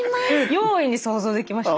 容易に想像できましたよ。